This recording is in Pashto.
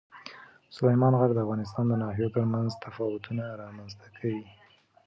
سلیمان غر د افغانستان د ناحیو ترمنځ تفاوتونه رامنځته کوي.